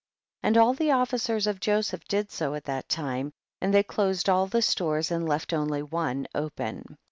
10. And all the officers of Joseph did so at that time, and they closed all the stores and left only one open.